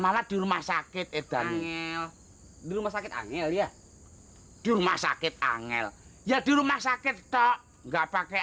mamat di rumah sakit edan ilmu sakit angel ya di rumah sakit angel ya di rumah sakit toh enggak pakai